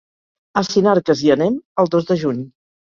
A Sinarques hi anem el dos de juny.